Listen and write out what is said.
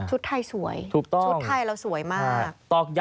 ชุดไทยสวยชุดไทยเราสวยมากถูกต้อง